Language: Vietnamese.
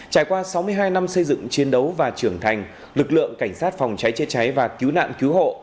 trải qua sáu mươi hai năm xây dựng chiến đấu và trưởng thành lực lượng cảnh sát phòng cháy chế cháy và cứu nạn cứu hộ